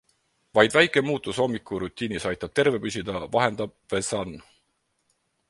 Vaid väike muutus hommikurutiinis aitab terve püsida, vahendab The Sun.